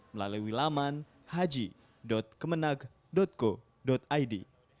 melalui laman haji kemenag co id